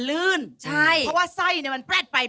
เลขอะไร